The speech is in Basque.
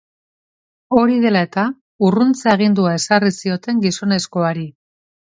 Hori dela eta, urruntze-agindua ezarri zioten gizonezkoari.